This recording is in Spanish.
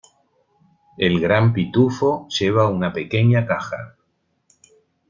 El Gran Pitufo lleva una pequeña caja.